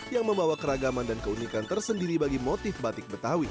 yang membawa keragaman dan keunikan tersendiri bagi motif batik betawi